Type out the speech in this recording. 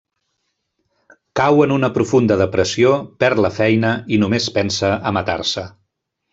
Cau en una profunda depressió, perd la feina i només pensa a matar-se.